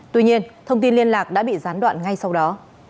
tuy nhiên thông tin liên lạc đã bị gián đoạn ngay sau đó